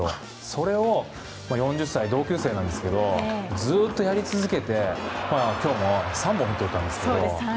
それを４０歳、同級生なんですがずっとやり続けて今日も３本ヒットを打ったんですけど。